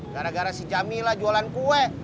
gara gara si jamila jualan kue